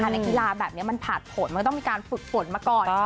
อันไหนกีฬาแบบเนี้ยมันผ่านผลมันก็ต้องมีการฝึกผลมาก่อน